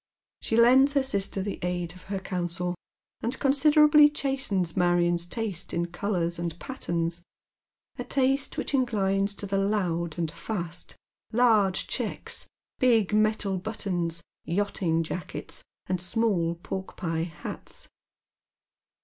She lends her sister the aid of het eounsel, and considerably chastens Marion's taste in colours and patterns, a taste which inclines to the "loud" and '• f ast," lai .ije /hecks, big metal buttons, yachting jackets, and small pork pie hats.